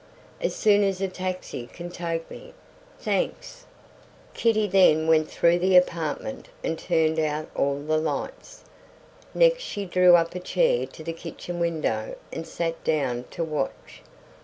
"As soon as a taxi can take me!" "Thanks." Kitty then went through the apartment and turned out all the lights. Next she drew up a chair to the kitchen window and sat down to watch.